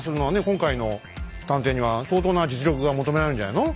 今回の探偵には相当な実力が求められるんじゃないの？